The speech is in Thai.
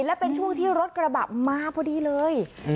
และเป็นช่วงที่รถกระบะมาพอดีเลย